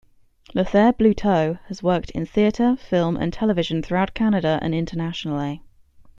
Lothaire Bluteau has worked in theatre, film and television throughout Canada and internationally.